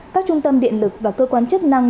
các trung tâm điện lực và cơ quan chức năng